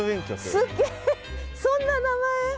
すっげえそんな名前！？